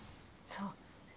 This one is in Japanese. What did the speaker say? そう。